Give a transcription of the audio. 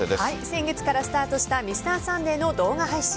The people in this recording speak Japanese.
先月からスタートした「Ｍｒ．サンデー」の動画配信。